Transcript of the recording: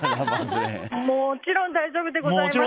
もちろん大丈夫でございます！